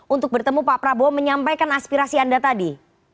untuk bertemu pak prabowo menyampaikan aspirasi anda tadi